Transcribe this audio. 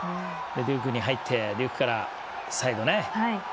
デュークに入ってデュークからサイドね。